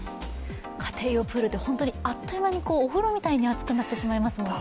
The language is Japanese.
家庭用プールって、本当にあっという間に、お風呂みたいに熱くなってしまいますよね。